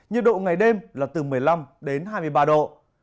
nhiệt độ ngày đêm là từ một mươi năm đến hai mươi ba độ